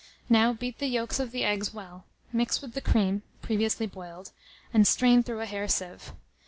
Now beat the yolks of the eggs well, mix with the cream (previously boiled), and strain through a hair sieve.